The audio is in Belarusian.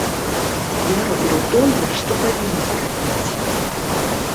Я раблю тое, што павінен рабіць.